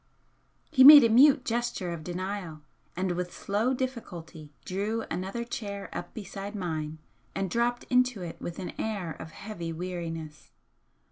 He made a mute gesture of denial, and with slow difficulty drew another chair up beside mine, and dropped into it with an air of heavy weariness.